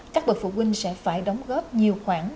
các bậc phụ huynh sẽ phải đóng góp nhiều khoản